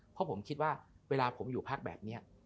เพราะผมคิดว่าเวลาผมอยู่พักแบบนี้